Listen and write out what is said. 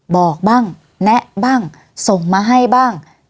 บอกบ้างแนะบ้างส่งมาให้บ้าง